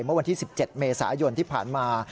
เมื่อวันที่๑๗เมษายนที่ผ่านมา